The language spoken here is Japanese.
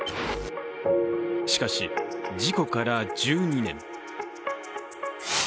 しかし、事故から１２年。